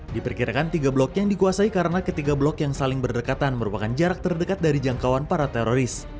diperkirakan tiga blok yang dikuasai karena ketiga blok yang saling berdekatan merupakan jarak terdekat dari jangkauan para teroris